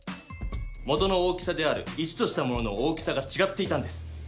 元の大きさである１としたものの大きさがちがっていたんです。